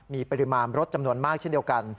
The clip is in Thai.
มีปริมาณรถจำนวนมากเช่นเดียวกัน